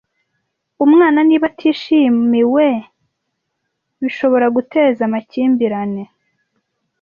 Umwana niba atishimimwe bishobora guteza amakimbirane